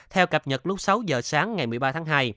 theo cập nhật lúc sáu giờ sáng ngày một mươi ba tháng hai